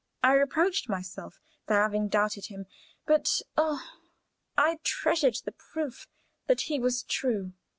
I reproached myself for having doubted him, but oh, I treasured the proof that he was true!